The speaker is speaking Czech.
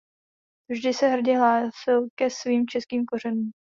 Vždy se hrdě hlásil ke svým českým kořenům.